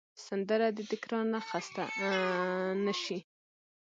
سندره د تکرار نه خسته نه شي